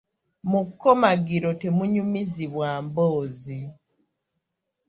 Mu kkomagiro temunyumizibwa mboozi.